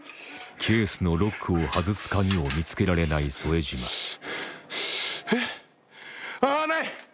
ケースのロックを外すカギを見つけられない副島えっあない！